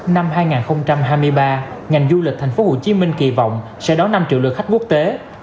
năm hai nghìn hai mươi ba ngành du lịch tp hcm kỳ vọng sẽ đón năm triệu lượt khách quốc tế